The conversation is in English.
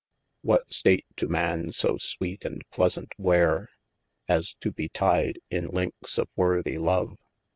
WHat state to man, so sweets and pleasaunt weave. As to be tyed, in linkes of worthy love